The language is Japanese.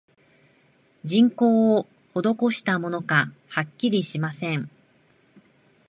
人工をほどこしたものか、はっきりしません